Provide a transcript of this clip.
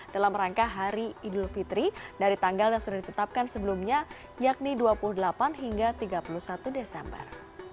dalam rangka hari idul fitri dari tanggal yang sudah ditetapkan sebelumnya yakni dua puluh delapan hingga tiga puluh satu desember